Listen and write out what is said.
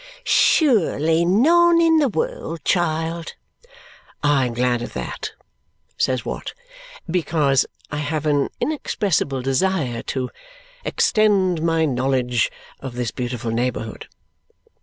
"Surely, none in the world, child." "I am glad of that," says Watt, "because I have an inexpressible desire to extend my knowledge of this beautiful neighbourhood."